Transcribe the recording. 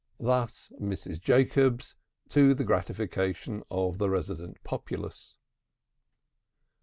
Thus Mrs. Jacobs; to the gratification of the resident populace.